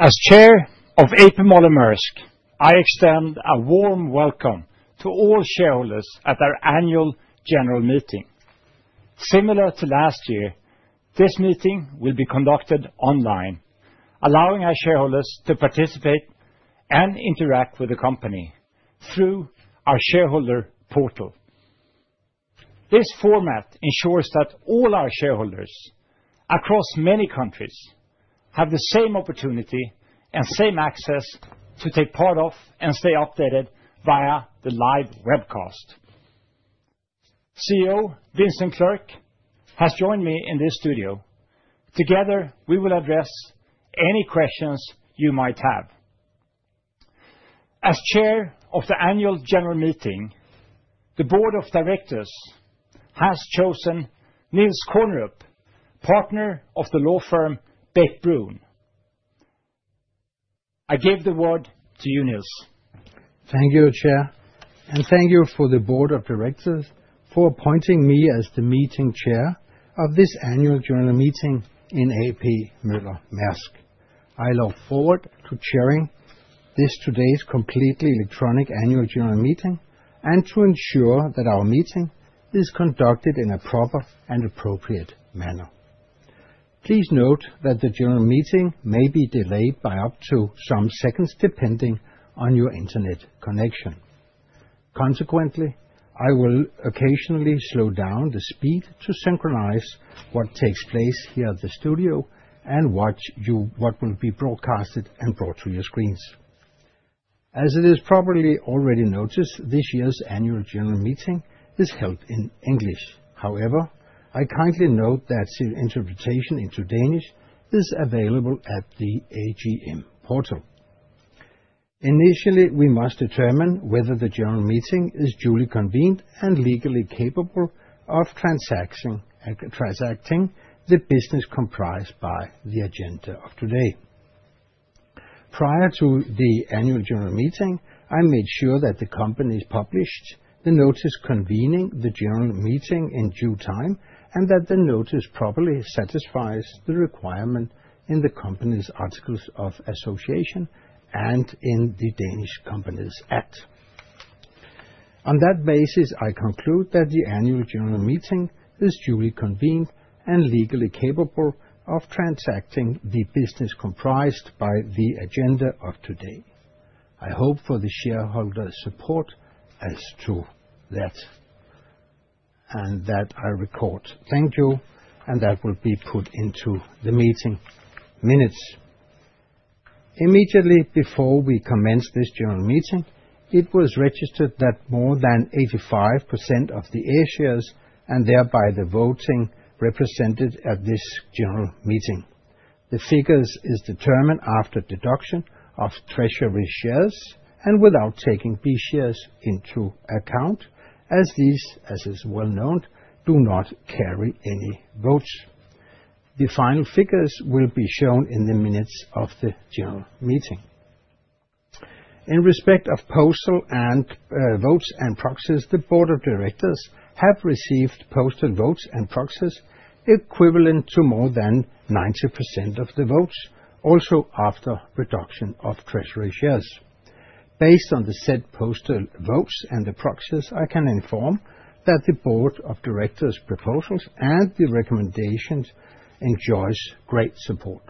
As Chair of A.P. Møller - Maersk, I extend a warm welcome to all shareholders at our annual general meeting. Similar to last year, this meeting will be conducted online, allowing our shareholders to participate and interact with the company through our shareholder portal. This format ensures that all our shareholders across many countries have the same opportunity and same access to take part and stay updated via the live webcast. CEO Vincent Clerc has joined me in this studio. Together, we will address any questions you might have. As Chair of the annual general meeting, the Board of Directors has chosen Niels Kornerup, partner of the law firm Bech-Bruun. I give the word to you, Niels. Thank you, Chair, and thank you for the Board of Directors for appointing me as the Meeting Chair of this annual general meeting in A.P. Møller - Maersk. I look forward to chairing this today's completely electronic annual general meeting and to ensure that our meeting is conducted in a proper and appropriate manner. Please note that the general meeting may be delayed by up to some seconds depending on your internet connection. Consequently, I will occasionally slow down the speed to synchronize what takes place here at the studio and what will be broadcasted and brought to your screens. As it is probably already noticed, this year's annual general meeting is held in English. However, I kindly note that interpretation into Danish is available at the AGM portal. Initially, we must determine whether the general meeting is duly convened and legally capable of transacting the business comprised by the agenda of today. Prior to the annual general meeting, I made sure that the company has published the notice convening the general meeting in due time and that the notice properly satisfies the requirement in the company's articles of association and in the Danish Companies Act. On that basis, I conclude that the annual general meeting is duly convened and legally capable of transacting the business comprised by the agenda of today. I hope for the shareholders' support as to that and that I record. Thank you, and that will be put into the meeting minutes. Immediately before we commence this general meeting, it was registered that more than 85% of the A shares and thereby the votes represented at this general meeting. The figures are determined after deduction of treasury shares and without taking B shares into account, as these, as is well known, do not carry any votes. The final figures will be shown in the minutes of the general meeting. In respect of postal votes and proxies, the Board of Directors have received postal votes and proxies equivalent to more than 90% of the votes, also after reduction of treasury shares. Based on the said postal votes and the proxies, I can inform that the Board of Directors' proposals and the recommendations enjoy great support.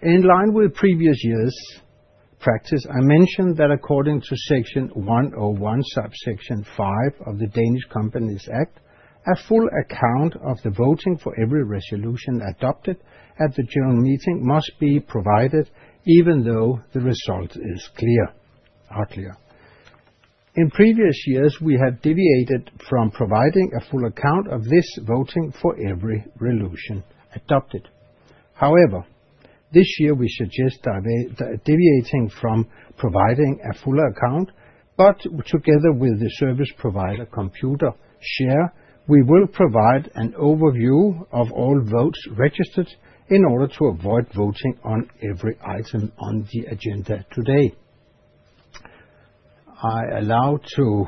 In line with previous years' practice, I mentioned that according to Section 101, Subsection 5 of the Danish Companies Act, a full account of the voting for every resolution adopted at the general meeting must be provided even though the result is clear. In previous years, we have deviated from providing a full account of this voting for every resolution adopted. However, this year, we suggest deviating from providing a full account, but together with the service provider Computershare, we will provide an overview of all votes registered in order to avoid voting on every item on the agenda today. I allow to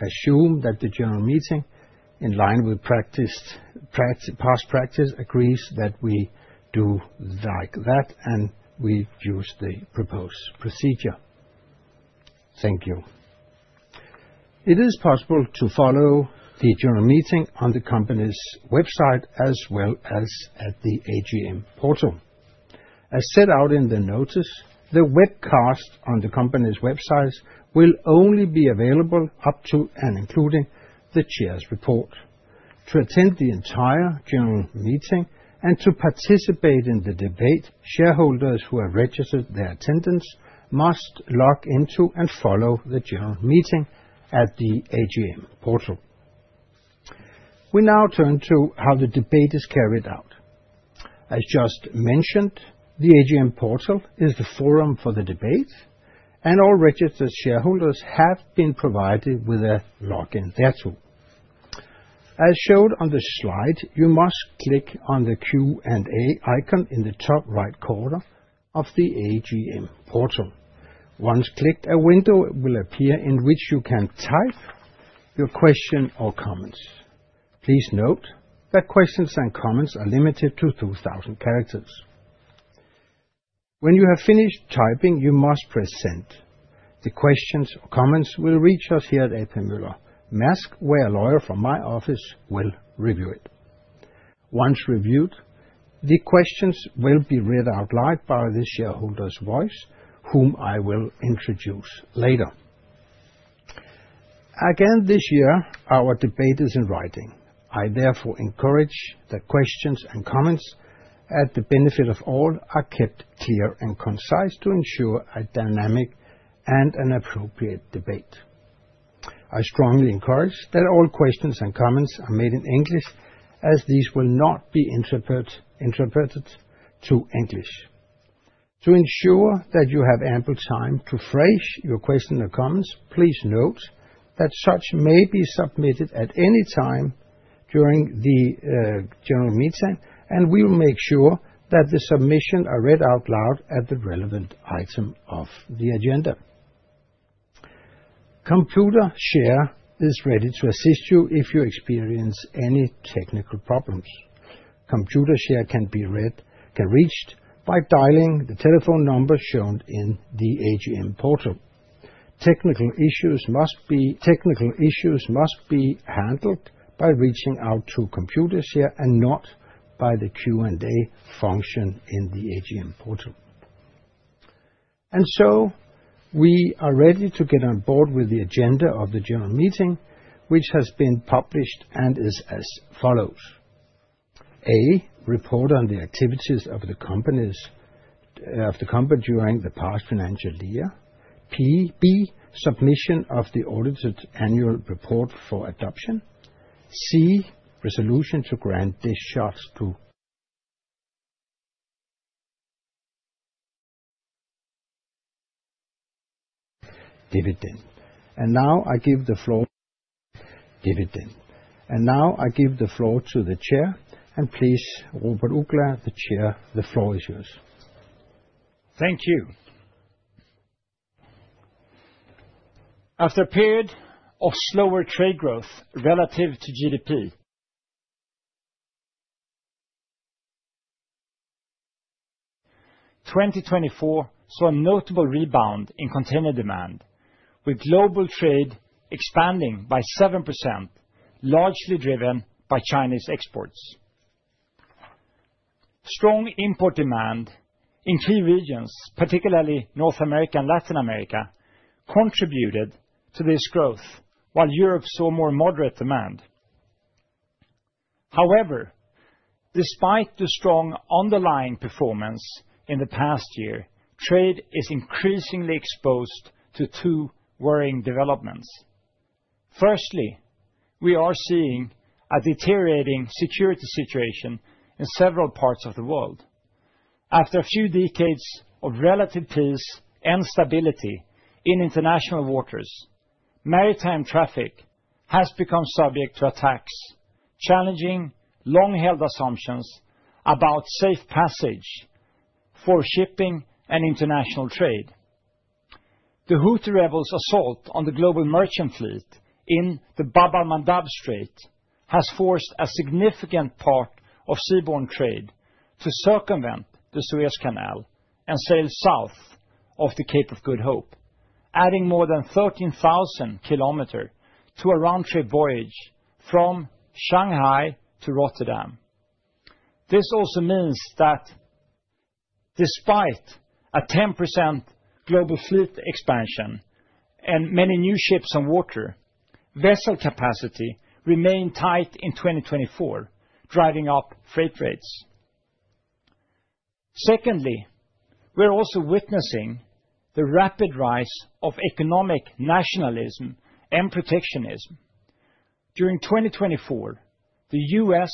assume that the general meeting, in line with past practice, agrees that we do like that and we use the proposed procedure. Thank you. It is possible to follow the general meeting on the company's website as well as at the AGM portal. As set out in the notice, the webcast on the company's websites will only be available up to and including the chair's report. To attend the entire general meeting and to participate in the debate, shareholders who have registered their attendance must log into and follow the general meeting at the AGM portal. We now turn to how the debate is carried out. As just mentioned, the AGM portal is the forum for the debate, and all registered shareholders have been provided with a login there. As shown on the slide, you must click on the Q&A icon in the top right corner of the AGM portal. Once clicked, a window will appear in which you can type your question or comments. Please note that questions and comments are limited to 2,000 characters. When you have finished typing, you must press send. The questions or comments will reach us here at A.P. Møller - Maersk, where a lawyer from my office will review it. Once reviewed, the questions will be read out loud by the Shareholders' Voice, whom I will introduce later. Again, this year, our debate is in writing. I therefore encourage that questions and comments for the benefit of all are kept clear and concise to ensure a dynamic and an appropriate debate. I strongly encourage that all questions and comments are made in English, as these will not be interpreted to English. To ensure that you have ample time to phrase your questions or comments, please note that such may be submitted at any time during the general meeting, and we will make sure that the submissions are read out loud at the relevant item of the agenda. Computershare is ready to assist you if you experience any technical problems. Computershare can be reached by dialing the telephone number shown in the AGM portal. Technical issues must be handled by reaching out to Computershare and not by the Q&A function in the AGM portal, and so we are ready to get on board with the agenda of the general meeting, which has been published and is as follows: A. Report on the activities of the company during the past financial year. B. Submission of the audited annual report for adoption. C. Resolution to approve the dividend. And now I give the floor to the Chair, and please, Robert Uggla, the Chair, the floor is yours. Thank you. After a period of slower trade growth relative to GDP, 2024 saw a notable rebound in container demand, with global trade expanding by 7%, largely driven by Chinese exports. Strong import demand in key regions, particularly North America and Latin America, contributed to this growth, while Europe saw more moderate demand. However, despite the strong underlying performance in the past year, trade is increasingly exposed to two worrying developments. Firstly, we are seeing a deteriorating security situation in several parts of the world. After a few decades of relative peace and stability in international waters, maritime traffic has become subject to attacks challenging long-held assumptions about safe passage for shipping and international trade. The Houthi rebels' assault on the global merchant fleet in the Bab al-Mandab Strait has forced a significant part of seaborne trade to circumvent the Suez Canal and sail south of the Cape of Good Hope, adding more than 13,000 km to a round-trip voyage from Shanghai to Rotterdam. This also means that despite a 10% global fleet expansion and many new ships on water, vessel capacity remained tight in 2024, driving up freight rates. Secondly, we're also witnessing the rapid rise of economic nationalism and protectionism. During 2024, the U.S.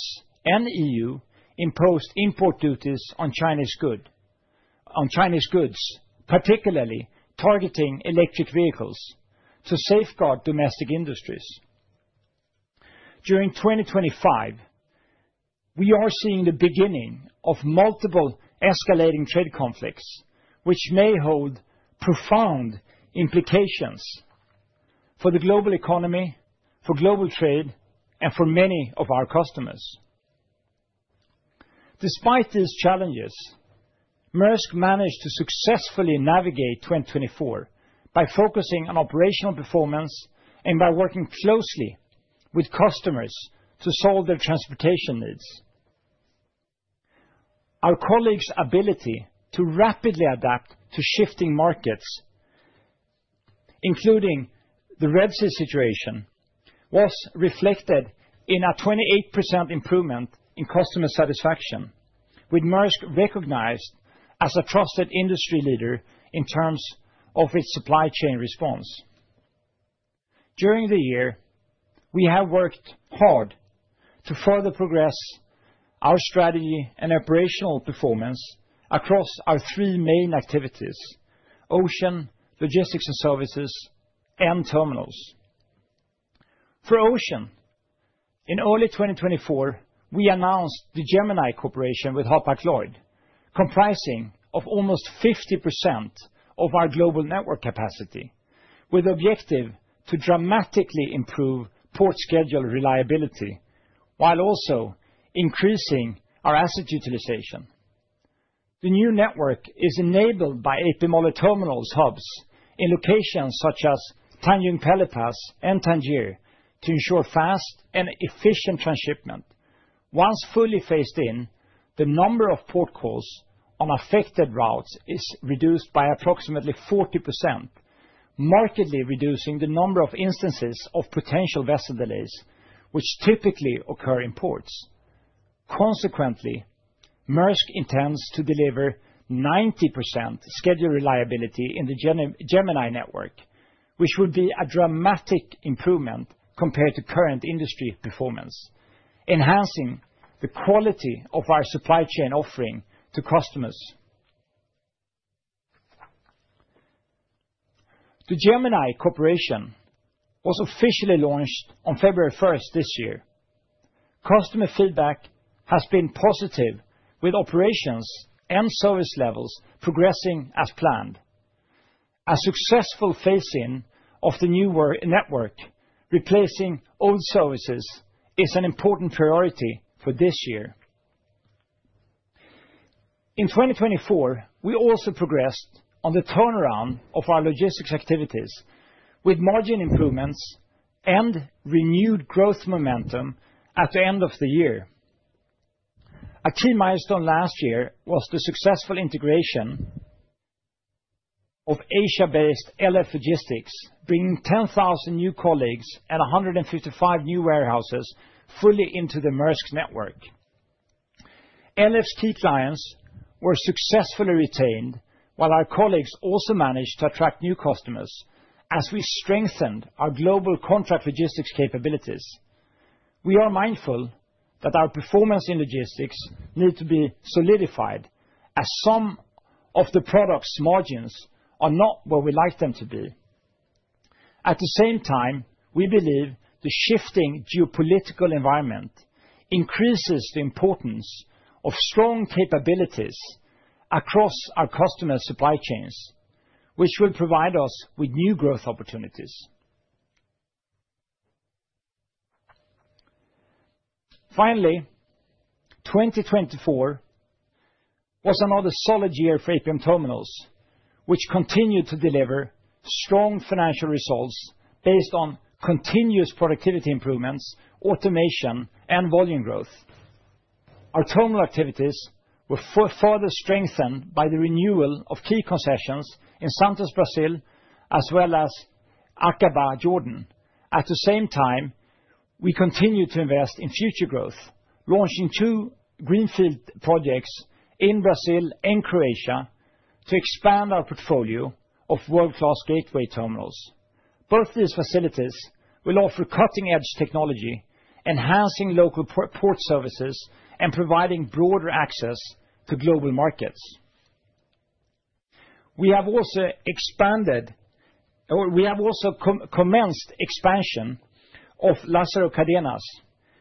and E.U. imposed import duties on Chinese goods, particularly targeting electric vehicles, to safeguard domestic industries. During 2025, we are seeing the beginning of multiple escalating trade conflicts, which may hold profound implications for the global economy, for global trade, and for many of our customers. Despite these challenges, Maersk managed to successfully navigate 2024 by focusing on operational performance and by working closely with customers to solve their transportation needs. Our colleagues' ability to rapidly adapt to shifting markets, including the Red Sea situation, was reflected in a 28% improvement in customer satisfaction, with Maersk recognized as a trusted industry leader in terms of its supply chain response. During the year, we have worked hard to further progress our strategy and operational performance across our three main activities: ocean, logistics, and services, and terminals. For ocean, in early 2024, we announced the Gemini Cooperation with Hapag-Lloyd, comprising almost 50% of our global network capacity, with the objective to dramatically improve port schedule reliability while also increasing our asset utilization. The new network is enabled by A.P. Møller - Maersk terminals, hubs in locations such as Tanjung Pelepas and Tangier to ensure fast and efficient transshipment. Once fully phased in, the number of port calls on affected routes is reduced by approximately 40%, markedly reducing the number of instances of potential vessel delays, which typically occur in ports. Consequently, Maersk intends to deliver 90% schedule reliability in the Gemini network, which would be a dramatic improvement compared to current industry performance, enhancing the quality of our supply chain offering to customers. The Gemini Cooperation was officially launched on February 1st this year. Customer feedback has been positive, with operations and service levels progressing as planned. A successful phase-in of the new network, replacing old services, is an important priority for this year. In 2024, we also progressed on the turnaround of our logistics activities, with margin improvements and renewed growth momentum at the end of the year. A key milestone last year was the successful integration of Asia-based LF Logistics, bringing 10,000 new colleagues and 155 new warehouses fully into the Maersk network. LF's key clients were successfully retained, while our colleagues also managed to attract new customers as we strengthened our global contract logistics capabilities. We are mindful that our performance in logistics needs to be solidified, as some of the products' margins are not where we like them to be. At the same time, we believe the shifting geopolitical environment increases the importance of strong capabilities across our customer supply chains, which will provide us with new growth opportunities. Finally, 2024 was another solid year for APM Terminals, which continued to deliver strong financial results based on continuous productivity improvements, automation, and volume growth. Our terminal activities were further strengthened by the renewal of key concessions in Santos, Brazil, as well as Aqaba, Jordan. At the same time, we continue to invest in future growth, launching two greenfield projects in Brazil and Croatia to expand our portfolio of world-class gateway terminals. Both these facilities will offer cutting-edge technology, enhancing local port services and providing broader access to global markets. We have also commenced expansion of Lázaro Cárdenas,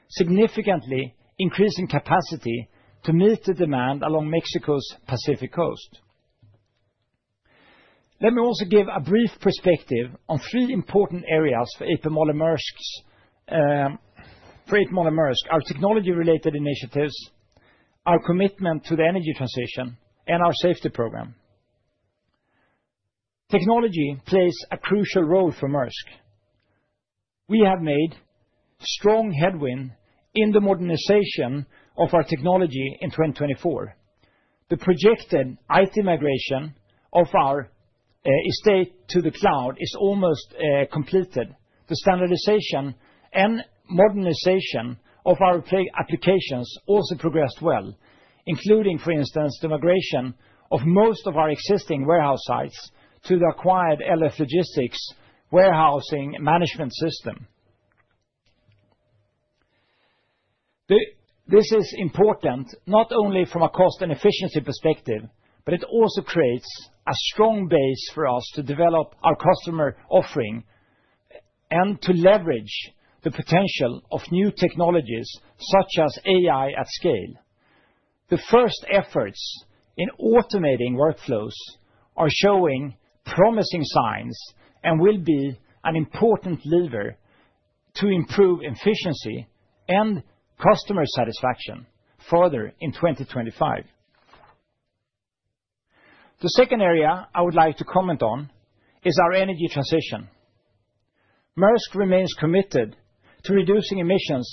significantly increasing capacity to meet the demand along Mexico's Pacific coast. Let me also give a brief perspective on three important areas for A.P. Møller - Maersk, our technology-related initiatives, our commitment to the energy transition, and our safety program. Technology plays a crucial role for Maersk. We have made strong headway in the modernization of our technology in 2024. The projected IT migration of our estate to the cloud is almost completed. The standardization and modernization of our applications also progressed well, including, for instance, the migration of most of our existing warehouse sites to the acquired LF Logistics warehousing management system. This is important not only from a cost and efficiency perspective, but it also creates a strong base for us to develop our customer offering and to leverage the potential of new technologies such as AI at scale. The first efforts in automating workflows are showing promising signs and will be an important lever to improve efficiency and customer satisfaction further in 2025. The second area I would like to comment on is our energy transition. Maersk remains committed to reducing emissions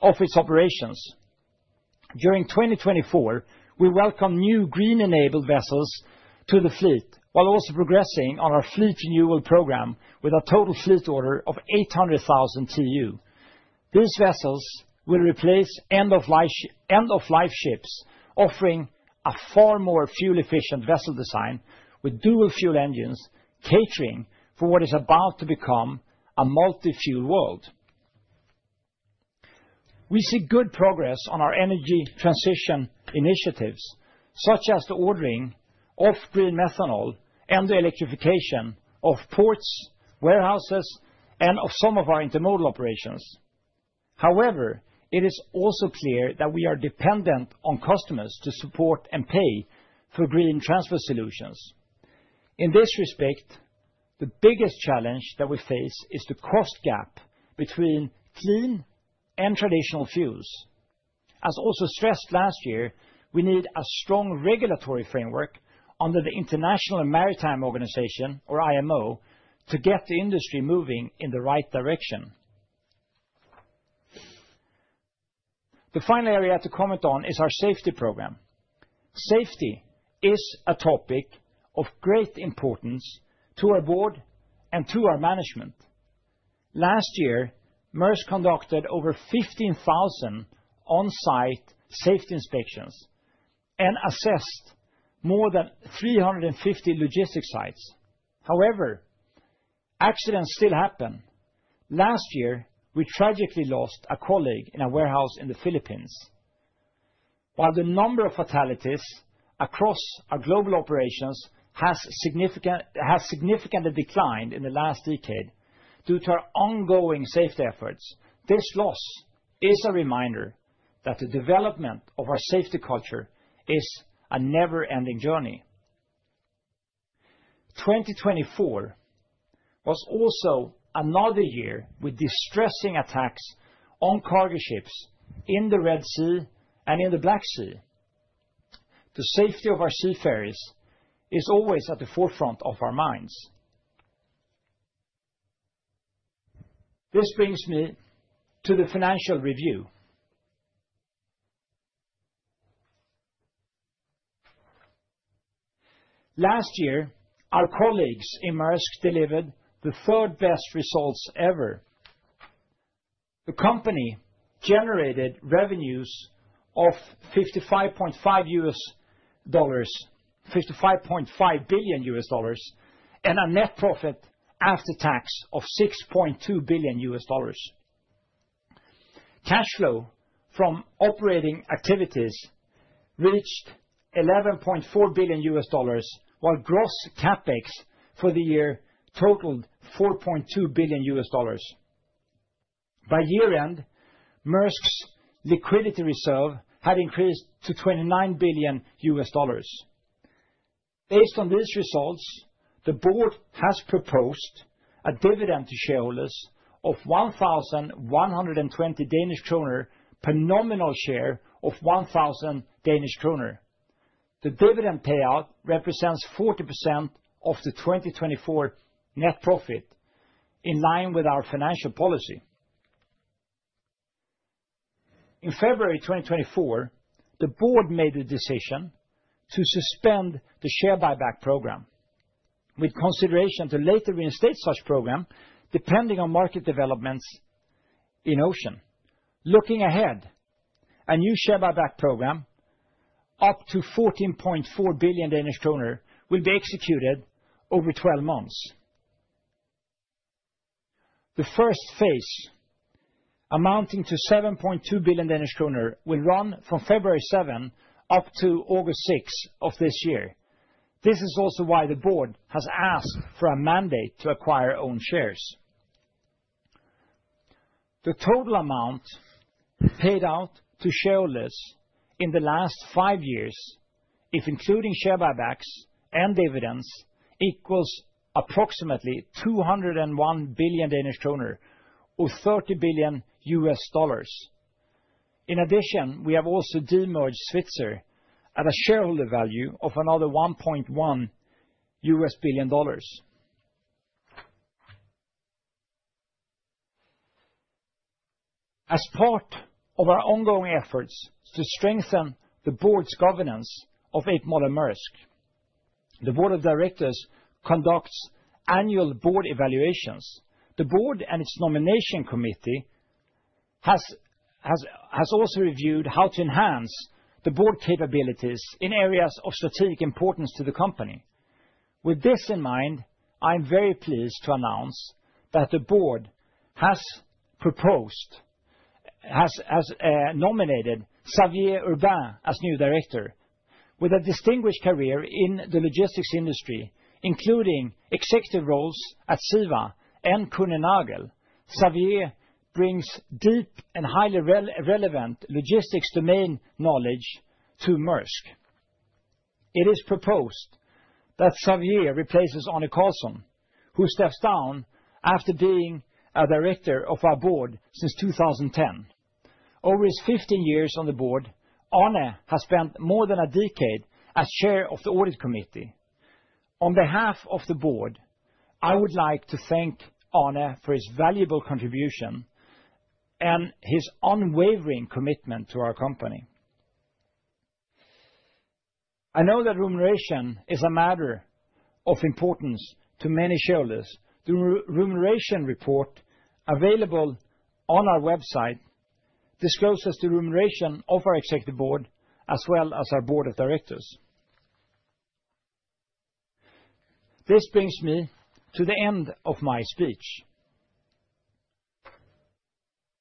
of its operations. During 2024, we welcome new green-enabled vessels to the fleet, while also progressing on our fleet renewal program with a total fleet order of 800,000 TEU. These vessels will replace end-of-life ships, offering a far more fuel-efficient vessel design with dual-fuel engines catering for what is about to become a multi-fuel world. We see good progress on our energy transition initiatives, such as the ordering of green methanol and the electrification of ports, warehouses, and of some of our intermodal operations. However, it is also clear that we are dependent on customers to support and pay for green transition solutions. In this respect, the biggest challenge that we face is the cost gap between clean and traditional fuels. As also stressed last year, we need a strong regulatory framework under the International Maritime Organization, or IMO, to get the industry moving in the right direction. The final area to comment on is our safety program. Safety is a topic of great importance to our board and to our management. Last year, Maersk conducted over 15,000 on-site safety inspections and assessed more than 350 logistics sites. However, accidents still happen. Last year, we tragically lost a colleague in a warehouse in the Philippines. While the number of fatalities across our global operations has significantly declined in the last decade due to our ongoing safety efforts, this loss is a reminder that the development of our safety culture is a never-ending journey. 2024 was also another year with distressing attacks on cargo ships in the Red Sea and in the Black Sea. The safety of our seafarers is always at the forefront of our minds. This brings me to the financial review. Last year, our colleagues in Maersk delivered the third-best results ever. The company generated revenues of $55.5 billion and a net profit after tax of $6.2 billion. Cash flow from operating activities reached $11.4 billion, while gross CapEx for the year totaled $4.2 billion. By year-end, Maersk's liquidity reserve had increased to $29 billion. Based on these results, the board has proposed a dividend to shareholders of 1,120 Danish kroner, a nominal share of 1,000 Danish kroner. The dividend payout represents 40% of the 2024 net profit, in line with our financial policy. In February 2024, the board made the decision to suspend the share buyback program, with consideration to later reinstate such program depending on market developments in ocean. Looking ahead, a new share buyback program up to 14.4 billion Danish kroner will be executed over 12 months. The first phase, amounting to 7.2 billion Danish kroner, will run from February 7 up to August 6 of this year. This is also why the board has asked for a mandate to acquire own shares. The total amount paid out to shareholders in the last five years, if including share buybacks and dividends, equals approximately 201 billion Danish kroner or $30 billion. In addition, we have also de-merged Svitzer at a shareholder value of another $1.1 billion. As part of our ongoing efforts to strengthen the board's governance of A.P. Møller - Maersk, the Board of Directors conducts annual board evaluations. The board and its Nomination Committee has also reviewed how to enhance the board capabilities in areas of strategic importance to the company. With this in mind, I am very pleased to announce that the board has proposed, has nominated Xavier Urbain as new director. With a distinguished career in the logistics industry, including executive roles at CEVA and Kuehne+Nagel, Xavier brings deep and highly relevant logistics domain knowledge to Maersk. It is proposed that Xavier replaces Arne Karlsson, who steps down after being a director of our board since 2010. Over his 15 years on the board, Arne has spent more than a decade as chair of the Audit Committee. On behalf of the board, I would like to thank Arne for his valuable contribution and his unwavering commitment to our company. I know that remuneration is a matter of importance to many shareholders. The remuneration report available on our website discloses the remuneration of our Executive Board as well as our Board of Directors. This brings me to the end of my speech.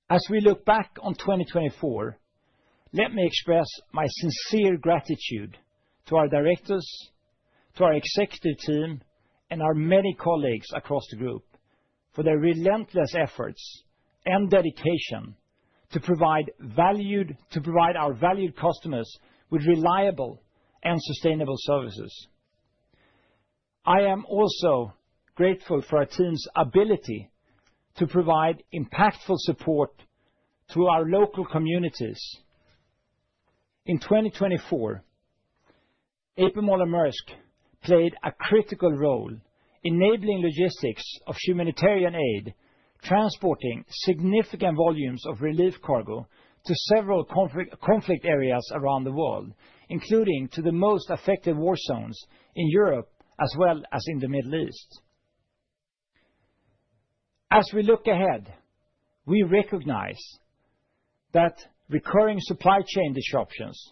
As we look back on 2024, let me express my sincere gratitude to our directors, to our executive team, and our many colleagues across the group for their relentless efforts and dedication to provide value to our valued customers with reliable and sustainable services. I am also grateful for our team's ability to provide impactful support to our local communities. In 2024, A.P. Møller - Maersk played a critical role in enabling logistics of humanitarian aid, transporting significant volumes of relief cargo to several conflict areas around the world, including to the most affected war zones in Europe as well as in the Middle East. As we look ahead, we recognize that recurring supply chain disruptions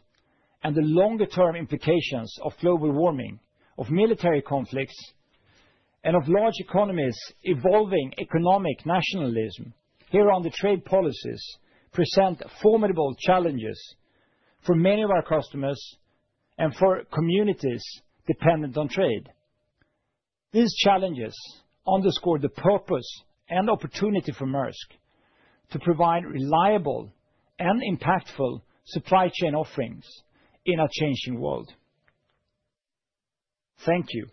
and the longer-term implications of global warming, of military conflicts, and of large economies' evolving economic nationalism here on the trade policies present formidable challenges for many of our customers and for communities dependent on trade. These challenges underscore the purpose and opportunity for Maersk to provide reliable and impactful supply chain offerings in a changing world. Thank you.